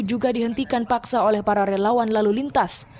juga dihentikan paksa oleh para relawan lalu lintas